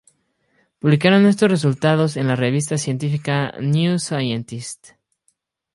Publicaron estos resultados en la revista científica "New Scientist".